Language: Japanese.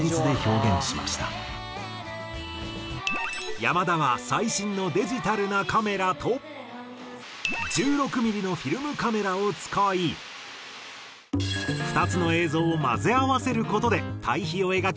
山田は最新のデジタルなカメラと１６ミリのフィルムカメラを使い２つの映像を混ぜ合わせる事で対比を描き